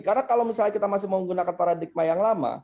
karena kalau misalnya kita masih menggunakan paradigma yang lama